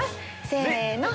せの！